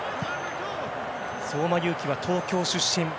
相馬勇紀は東京出身。